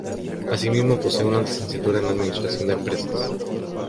Asimismo, posee una licenciatura en Administración de Empresas.